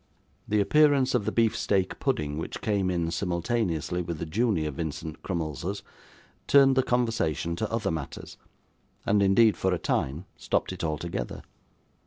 The appearance of the beef steak pudding, which came in simultaneously with the junior Vincent Crummleses, turned the conversation to other matters, and indeed, for a time, stopped it altogether.